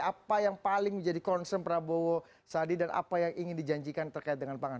apa yang paling menjadi concern prabowo sadi dan apa yang ingin dijanjikan terkait dengan pangan